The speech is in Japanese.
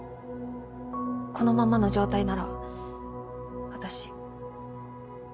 このままの状態なら私